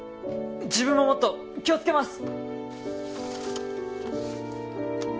自分ももっと気をつけます！